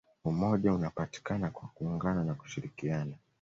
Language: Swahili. umoja unapatikana kwa kuungana na kushirikiana